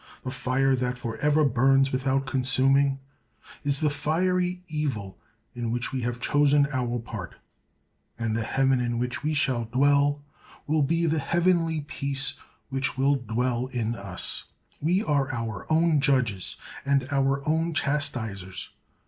The fire that for ever burns without consuming, is the fiery evil in which we have chosen our part; and the heaven in which we shall dwell, will be the heavenly peace which will dwell in us. We are our own judges and our own chastisers.